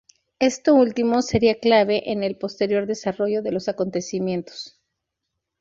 Esto último sería clave en el posterior desarrollo de los acontecimientos.